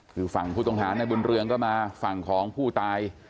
คือฝั่งผู้ต้องหาในบุญเรืองก็มาฝั่งของผู้ตาย